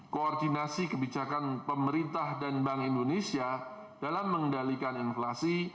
koordinasi kebijakan pemerintah dan bank indonesia dalam mengendalikan inflasi